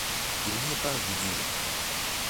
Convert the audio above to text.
Il n’y est pas, vous dis-je